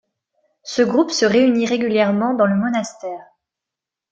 Ce groupe se réunit régulièrement dans le monastère.